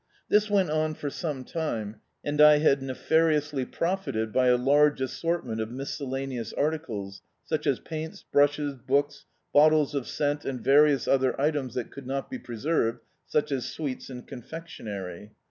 This went on for some time, and I had nefariously profited by a large assortment of miscellaneous ar ticles, such as paints, brushes, books, bottles of scent and various other items that could not be preserved, such as sweets and confectionery.